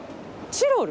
チロル？